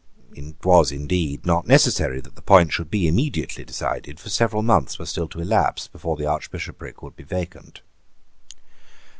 It was, indeed, not necessary that the point should be immediately decided; for several months were still to elapse before the Archbishopric would be vacant.